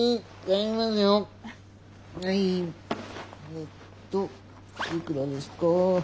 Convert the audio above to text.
えっといくらですか。